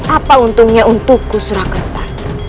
apa untungnya untukku surakerta